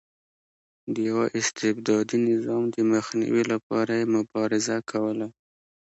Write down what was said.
د یوه استبدادي نظام د مخنیوي لپاره یې مبارزه کوله.